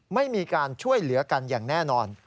ไม่มีการช่วยเหลือกันอย่างแน่นอน